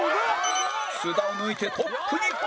須田を抜いてトップに！